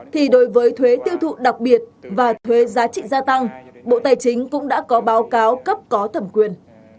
thì đối với thuế tiêu thụ đặc biệt và thuế giá trị gia tăng bộ tài chính cũng đã có báo cáo cấp có thẩm quyền